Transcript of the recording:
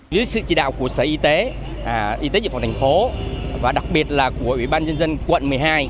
dưới sự chỉ đạo của sở y tế y tế dự phòng thành phố và đặc biệt là của ủy ban dân dân quận một mươi hai